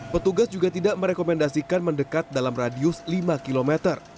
petugas juga tidak merekomendasikan mendekat dalam radius lima km